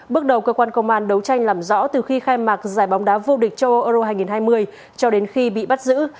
bước đầu cơ quan công an đấu tranh làm rõ từ khi khai mạc giải bóng đá vô địch châu âu euro hai nghìn hai mươi cho đến khi bị bắt giữ